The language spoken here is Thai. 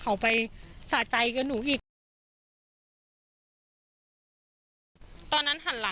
ก็กลายเป็นว่าติดต่อพี่น้องคู่นี้ไม่ได้เลยค่ะ